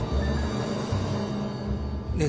ねえ。